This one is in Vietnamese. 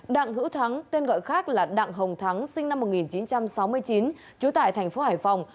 đặng hữu thắng tên gọi khác là đặng hồng thắng sinh năm một nghìn chín trăm sáu mươi chín trú tại thành phố hải phòng